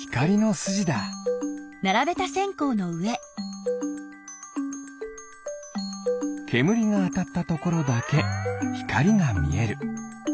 けむりがあたったところだけひかりがみえる。